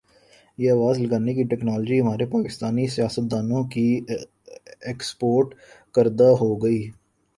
یہ آواز لگانے کی ٹیکنالوجی ہمارے پاکستانی سیاستدا نوں کی ایکسپورٹ کردہ ہوگی